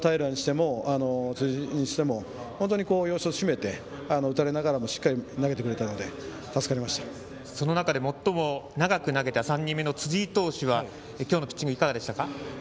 平にしても、辻井にしても要所を締めて、打たれながらもしっかり投げてくれたのでその中で最も長く投げた３人目の辻井投手は今日のピッチングいかがですか？